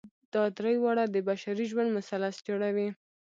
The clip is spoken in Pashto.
دا درې واړه د بشري ژوند مثلث جوړوي.